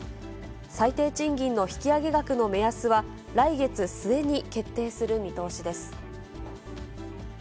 最低賃金の引き上げ額の目安は、来月末に決定する見通しです。